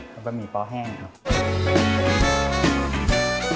ก็ไม่มีป้าแห้งครับ